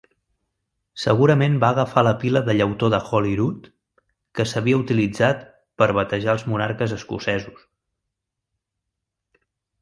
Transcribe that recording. Segurament va agafar la pila de llautó de Holyrood que s'havia utilitzat per batejar els monarques escocesos.